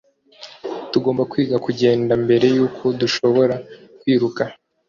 Tugomba kwiga kugenda mbere yuko dushobora kwiruka